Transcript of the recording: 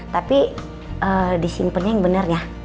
tapi disimpennya yang benar ya